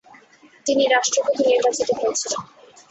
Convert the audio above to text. তিনি রাষ্ট্রপতি নির্বাচিত হয়েছিলেন।